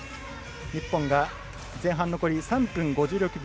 日本が前半残り３分５６秒。